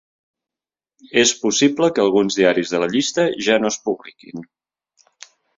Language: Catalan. És possible que alguns diaris de la llista ja no es publiquin.